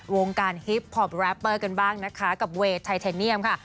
วงการฮิปพอปแรปเปอร์กันบ้างนะคะกับเวย์ไทเทเนียมค่ะ